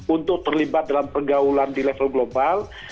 untuk terlibat dalam pergaulan di level global